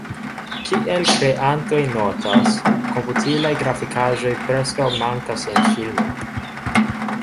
Kiel kreantoj notas, komputilaj grafikaĵoj preskaŭ mankas en filmo.